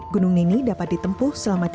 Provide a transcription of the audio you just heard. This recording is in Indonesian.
gunung nini dapat ditempuh selama berapa hari